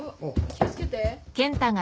気を付けて。